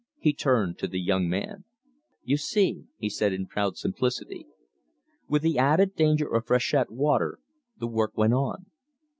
He turned to the young man. "You see," he said in proud simplicity. With the added danger of freshet water, the work went on.